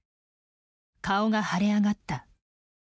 顔が腫れ上がった。